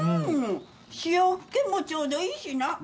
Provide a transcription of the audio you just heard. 塩っ気もちょうどいいしな。